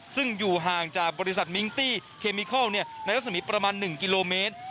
ซึ่งอยู่ห่างจากบริษัทมิงตี้เคมิเคราะห์เนี่ยในลักษณีย์ประมาณหนึ่งกิโลเมตร